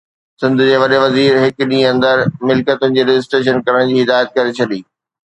سنڌ جي وڏي وزير هڪ ڏينهن اندر ملڪيتن جي رجسٽريشن ڪرڻ جي هدايت ڪري ڇڏي